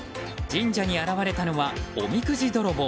神社に現れたのはおみくじ泥棒。